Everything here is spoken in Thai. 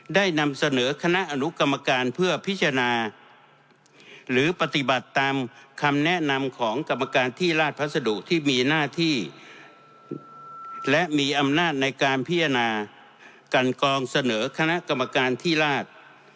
ได้นำเสนอคณะอนุกรรมการเพื่อพิจารณาหรือปฏิบัติตามคำแนะนำของกรรมการที่ราชพัสดุที่มีหน้าที่และมีอำนาจในการพิจารณากันกองเสนอคณะกรรมการที่ราช